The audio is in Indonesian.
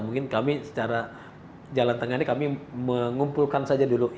mungkin kami secara jalan tengah ini kami mengumpulkan saja dulu